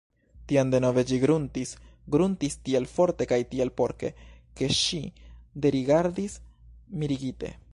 Tiam denove ĝi gruntis, gruntis tiel forte kaj tiel porke, ke ŝi derigardis, mirigite.